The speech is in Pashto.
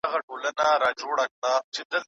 ايا صنعتي سيستم د فقر لامل دی؟